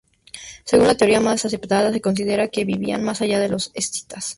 Según la teoría más aceptada, se considera que vivían más allá de los escitas.